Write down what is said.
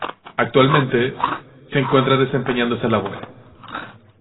Actualmente, se encuentra desempeñando esa labor.